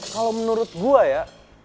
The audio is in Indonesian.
kalau menurut gue ya